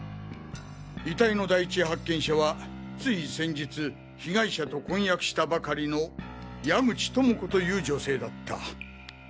遺体の第一発見者はつい先日被害者と婚約したばかりの矢口知子という女性だった。